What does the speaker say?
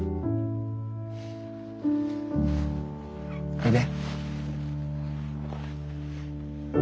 おいで。